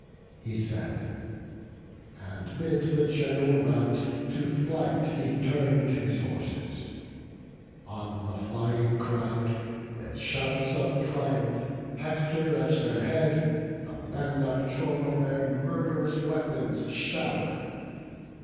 He said, and 'mid the general rout, to flight He turn'd his horses; on the flying crowd, With shouts of triumph, Hector at their head, The men of Troy their murd'rous weapons show'r'd.